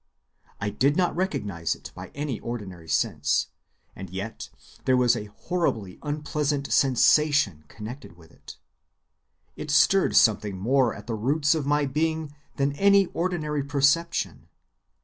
I did not recognize it by any ordinary sense, and yet there was a horribly unpleasant 'sensation' connected with it. It stirred something more at the roots of my being than any ordinary perception.